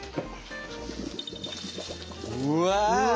うわ！